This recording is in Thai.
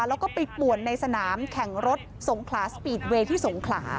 แล้วก็ไปป่วนในสนามแข่งรถสงขลาสปีดเวย์ที่สงขลา